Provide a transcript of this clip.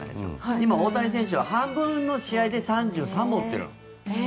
今、大谷選手は半分の試合で３３本打ってるの。